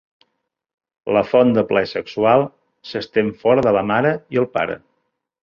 La font de plaer sexual s'estén fora de la mare i el pare.